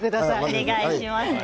お願いしますね。